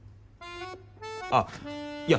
あっいや